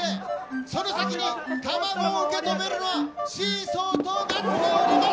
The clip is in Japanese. その先に卵を受け止めるのは、シーソーとなっております。